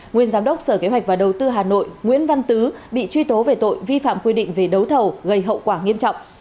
nguyên giám đốc sở kế hoạch và đầu tư hà nội nguyễn văn tứ bị truy tố về tội vi phạm quy định về đấu thầu gây hậu quả nghiêm trọng